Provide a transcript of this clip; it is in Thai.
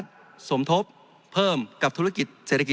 จริงโครงการนี้มันเป็นภาพสะท้อนของรัฐบาลชุดนี้ได้เลยนะครับ